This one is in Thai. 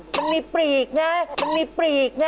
มันมีปลีกไงมันมีปลีกไง